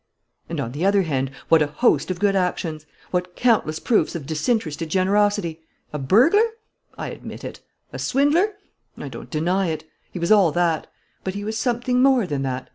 "And, on the other hand, what a host of good actions! What countless proofs of disinterested generosity! A burglar? I admit it. A swindler? I don't deny it. He was all that. But he was something more than that.